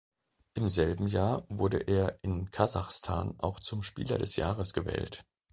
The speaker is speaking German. Im selben Jahr wurde er in Kasachstan auch zum Spieler des Jahres gewählt.